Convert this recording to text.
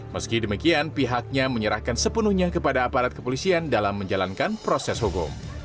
meski demikian pihaknya menyerahkan sepenuhnya kepada aparat kepolisian dalam menjalankan proses hukum